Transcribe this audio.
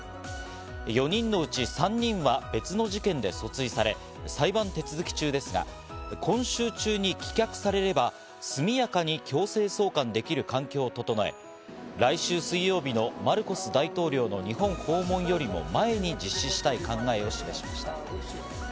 ４人のうち３人は別の事件で訴追され裁判手続き中ですが、今週中に棄却されれば、速やかに強制送還できる環境を整え、来週水曜日のマルコス大統領の日本訪問よりも前に実施したい考えを示しました。